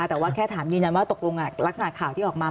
แต่ว่าแค่ถามยืนยันว่าตกลงลักษณะข่าวที่ออกมา